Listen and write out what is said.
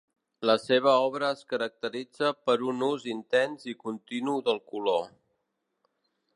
La seva obra es caracteritza per un ús intens i continu del color.